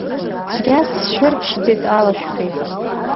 Цәгьа сшәырԥшӡеит, алашәхи…